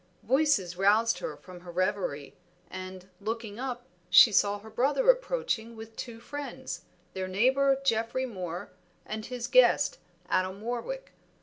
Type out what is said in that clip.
Voices roused her from her reverie, and, looking up, she saw her brother approaching with two friends, their neighbor Geoffrey Moor and his guest Adam Warwick.